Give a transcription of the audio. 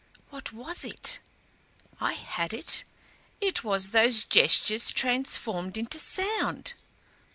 What was it? I had it IT WAS THOSE GESTURES TRANSFORMED INTO SOUND!